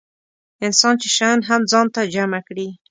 انسان چې شیان هم ځان ته جمع کړي.